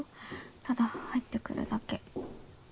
ただ入ってくるだけ